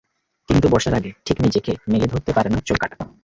কিন্তু বর্ষার আগে ঠিক নিজেকে মেলে ধরতে পারে না চোরকাঁটা।